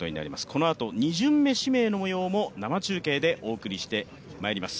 このあと、２巡目指名の模様も生中継でお送りします。